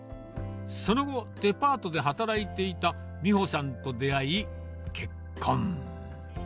その後、デパートで働いていた三穂さんと出会い結婚。